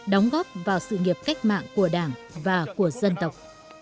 đóng góp vào sự nghiệp cách mạng của đảng và của dân tộc